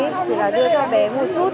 thì là đưa cho bé một chút